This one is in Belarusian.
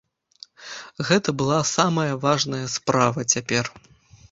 Гэта была самая важная справа цяпер.